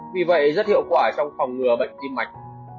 vì vậy rất hiệu quả trong phòng ngừa bệnh tim mạch